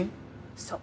そう。